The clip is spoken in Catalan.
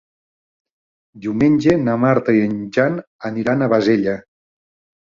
Diumenge na Marta i en Jan aniran a Bassella.